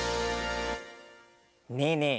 ねえねえ